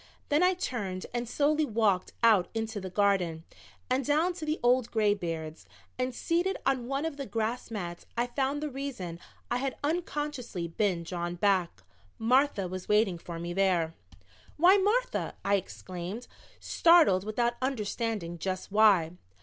Then I turned and slowly walked out into the garden and down to the old graybeards. And seated on one of the grass mats I found the reason I had unconsciously been drawn back. Martha was waiting for me there. "Why, Martha," I exclaimed, startled without understanding just why.